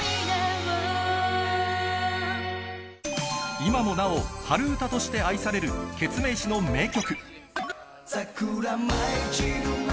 今もなお、春うたとして愛されるケツメイシの名曲。